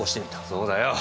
そうだよ。